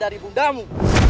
dari bunda mu